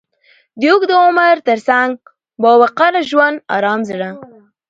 د اوږد عمر تر څنګ، با وقاره ژوند، ارام زړه،